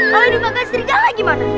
kalian di bagian setrika lagi mana